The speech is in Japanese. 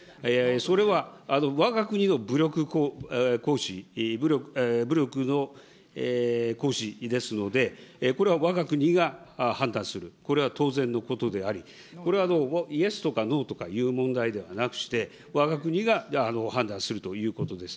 それはわが国の武力行使、武力の行使ですので、これはわが国が判断する、これは当然のことであり、これはイエスとかノーとかいう問題ではなくて、わが国が判断するということです。